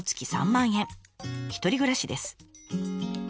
１人暮らしです。